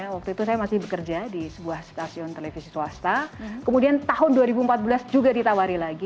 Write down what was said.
waktu itu saya masih bekerja di sebuah stasiun televisi swasta kemudian tahun dua ribu empat belas juga ditawari lagi